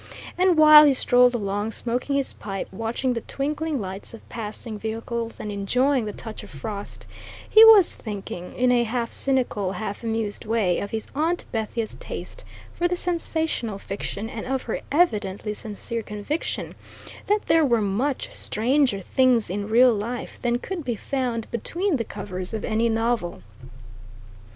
And while he strolled along, smoking his pipe, watching the twinkling lights of passing vehicles and enjoying the touch of frost, he was thinking, in a half cynical, half amused way, of his Aunt Bethia's taste for the sensational fiction and of her evidently sincere conviction that there were much stranger things in real life than could be found between the covers of any novel.